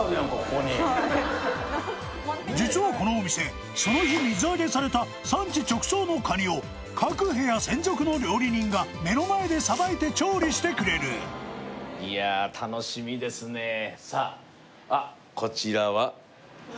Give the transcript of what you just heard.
ここにはい実はこのお店その日水揚げされた産地直送のカニを各部屋専属の料理人が目の前でさばいて調理してくれるいやっ楽しみですねさああっこちらは？